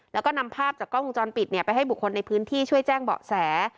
แล้วก็นำภาพจากกล้องวงจรปิดไปให้บุคคลในพื้นที่ช่วยแจ้งเบาะแส